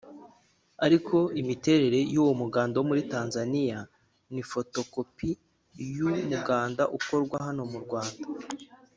Ariko imiterere y’uwo muganda wo muri Tanzania ni fotokopi y’uyu muganda ukorwa hano mu Rwanda